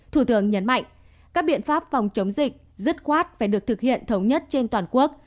thủ tướng nhấn mạnh các biện pháp phòng chống dịch dứt khoát phải được thực hiện thống nhất trên toàn quốc